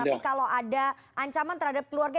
tapi kalau ada ancaman terhadap keluarga